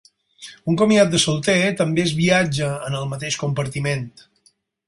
Un comiat de solter també es viatja en el mateix compartiment.